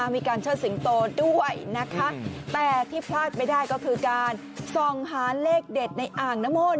มีการเชิดสิงโตด้วยนะคะแต่ที่พลาดไม่ได้ก็คือการส่องหาเลขเด็ดในอ่างนมล